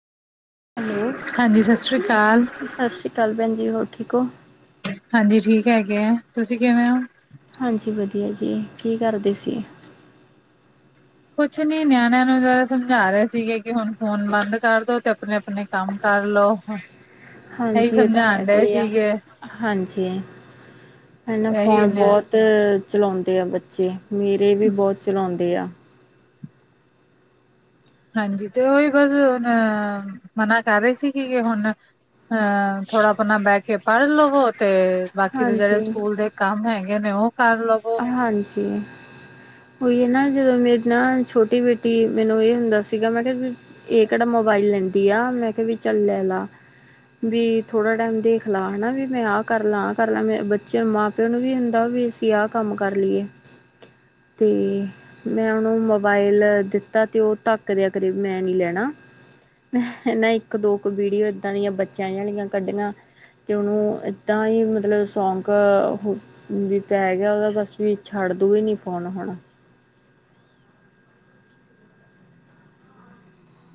Hello. ਹਾਂਜੀ ਸਸ ਸ਼੍ਰੀ ਕਾਲ। ਸਸ ਸ਼੍ਰੀ ਕਾਲ ਭੈਣ ਜੀ ਹੋਰ ਠੀਕ ਓ? ਹਾਂਜੀ ਠੀਕ ਹੈਗੇ ਐ ਤੁਸੀਂ ਕਿਵੇਂ ਓ? ਹਾਂਜੀ ਵਧੀਆ ਜੀ ਕੀ ਕਰਦੇ ਸੀ? ਕੁਛ ਨੀ ਨਿਆਣਿਆਂ ਨੂੰ ਜ਼ਰਾ ਸਮਝਾ ਰੇ ਸੀਗੇ ਕੀ ਹੁਣ ਫੋਨ ਬੰਦ ਕਰਦੋ ਤੇ ਆਪਣੇ-ਆਪਣੇ ਕੰਮ ਕਰ ਲਓ, ਇਹੀ ਹਾਂਜੀ ਇਹ ਤਾਂ ਹੈ ਤੇ ਸਮਝਾਣ ਕੋ ਡਏ ਏ ਆ ਸੀਗੇ ਹਾਂਜੀ, ਹੈਨਾ ਇਹੀ ਫੋਨ ਨੇ ਬਹੁਤ ਚਲਾਉਂਦੇ ਆ ਬੱਚੇ, ਮੇਰੇ ਵੀ ਬਹੁਤ ਚਲਾਉਂਦੇ ਆ, ਹਾਂਜੀ ਤੇ ਉਹੀ ਬਸ ਹੁਨ ਮਨਾ ਕਰ ਰਹੀ ਸੀਗੀ ਕਿ ਹੁਣ, ਹਾਂ ਥੋੜਾ ਆਪਣਾ ਬੈ ਕੈ ਪੜ ਲਵੋ ਤੇ, ਬਾਕੀ ਦੇ ਜਿਹੜੇ ਹਾਂਜੀ ਸਕੂਲ ਦੇ ਕੰਮ ਹੋਏ ਗੇਨੇ ਉਹ ਕਰ ਲਵੋ, ਹਾਂਜੀ। ਉਹੀ ਹੈ ਨਾ, ਜਦੋਂ ਮੇਰੀ ਨਾ ਛੋਟੀ ਬੇਟੀ ਮੈਨੂੰ ਇਹ ਹੁੰਦਾ ਸੀਗਾ, ਮੈਂ ਕਿਹਾ ਇਹ ਕਿਹੜਾ ਮੋਬਾਈਲ ਲੈਂਦੀ ਆ, ਮੈਂ ਕਿਹਾ ਵੀ ਚੱਲ ਲੈ ਲਾ, ਵੀ ਥੋੜਾ ਟਾਈਮ ਦੇਖ ਲਾ ਹਨਾ ਵੀ ਮੈਂ ਆਹ ਕਰ ਲਾ- ਆਹ ਕਰ ਲਾ ਮੈਂ ਬੱਚੇ ਮਾਂ, ਪੇ ਨੂੰ ਵੀ ਹੁੰਦਾ ਵੀ ਅਸੀਂ ਆਹ ਕੰਮ ਕਰ ਲਈਏ, ਤੇ ਮੈਂ ਉਹਨੂੰ ਮੋਬਾਇਲ ਲੈ ਦਿੱਤਾ ਤੇ ਉਹ ਤੱਕ ਦੇ ਆ ਕਰੇ ਮੈਂ ਨੀ ਲੈਣਾ, ਨਾ ਇੱਕ- ਦੋ ਕੁ ਵੀਡੀਓ ਏਦਾਂ ਦੀਆਂ ਬੱਚਿਆਂੀਆਂ ਕੱਢੀਆਂ, ਤੇ ਉਹਨੂੰ ਤਾਂ ਹੀ ਮਤਲਬ ਸੌਂਕ ਹੁੰਜ ਪੈ, ਯਾਂ ਉਹਦਾ ਬਸ ਵੀ ਛੱਡ ਦੀ ਵੀ ਨੀ ਫੋਨ ਹਣਾ,